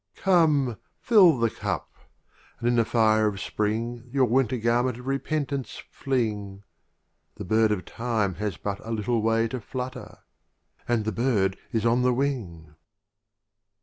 VII. Come, fill the Cup, and in the fire of Spring Your Winter garment of Repent ance fling: The Bird of Time has but a little way To flutter — and the Bird is on the Wing.